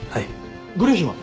ご両親は？